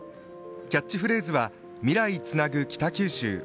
キャッチフレーズは「みらいつなぐ北九州」。